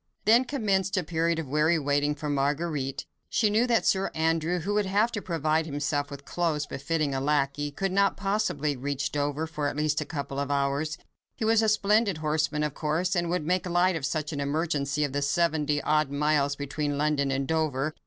Then commenced a period of weary waiting for Marguerite. She knew that Sir Andrew—who would have to provide himself with clothes befitting a lacquey—could not possibly reach Dover for at least a couple of hours. He was a splendid horseman of course, and would make light in such an emergency of the seventy odd miles between London and Dover.